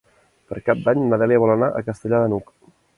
Per Cap d'Any na Dèlia vol anar a Castellar de n'Hug.